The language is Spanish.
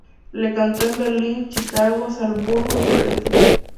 Lo cantó en Berlín, Chicago, Salzburgo y Florencia.